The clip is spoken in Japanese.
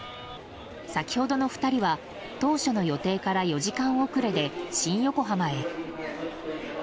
先ほどの２人は、当初の予定から４時間遅れで新横浜へ。